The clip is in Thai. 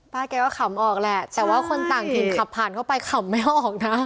แกก็ขำออกแหละแต่ว่าคนต่างถิ่นขับผ่านเข้าไปขำไม่ออกนะ